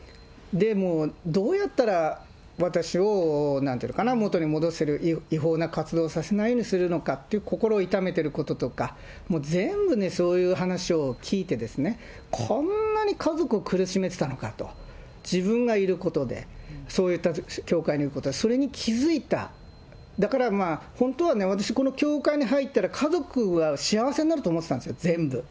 もうどうやったら私を、なんていうのかな、元に戻せる、違法な活動をさせないようにするのかと心を痛めてることとか、もう全部ね、そういう話を聞いてですね、こんなに家族を苦しめてたのかと、自分がいることで、そういった教会にいること、それに気付いた、だから、本当はね、私、この教会に入ったら、家族は幸せになると思ってたんですよ、全部。